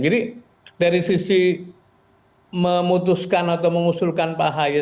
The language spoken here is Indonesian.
jadi dari sisi memutuskan atau mengusulkan pak ahaye